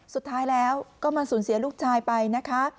สุดท้ายแล้วก็มาสูญเสียลูกชายไปนะคะ